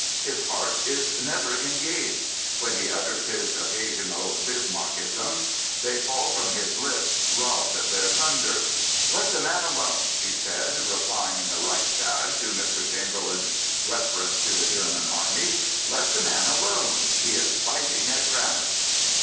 His heart is never engaged. When he utters his occasional Bismarckisms, they fall from his lips robbed of their thunder. " Let the man alone," he said, replying in the Reichstag to Mr. 171 Prophets, Priests, and Kings Chamberlain's reference to the German Army —" let the man alone. He is biting at granite."